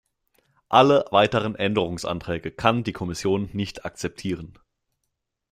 Alle weiteren Änderungsanträge kann die Kommission nicht akzeptieren.